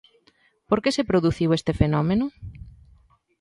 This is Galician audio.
Por que se produciu este fenómeno?